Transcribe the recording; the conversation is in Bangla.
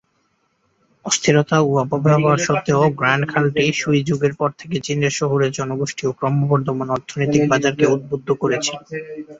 অস্থিরতা ও অপব্যবহার সত্ত্বেও গ্র্যান্ড খালটি সুই যুগের পর থেকে চীনের শহুরে জনগোষ্ঠী ও ক্রমবর্ধমান অর্থনৈতিক বাজারকে উদ্বুদ্ধ করেছিল।